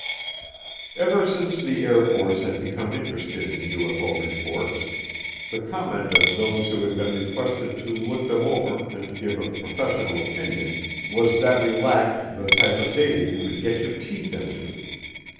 Ever since the Air Force had become interested in UFO reports, the comment of those who had been requested to look them over and give a professional opinion was that we lacked the type of data "you could get your teeth into."